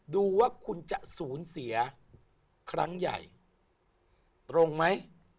ดูว่าคุณจะสูญเสียครั้งใหญ่ตรงไหม